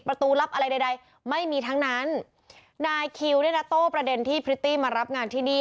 ประตูลับอะไรใดใดไม่มีทั้งนั้นนายคิวด้วยนะโต้ประเด็นที่พริตตี้มารับงานที่นี่